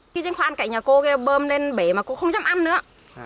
khi trên khoan cạnh nhà cô bơm lên bể mà cô không dám ăn nữa